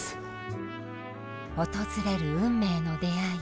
訪れる運命の出会い。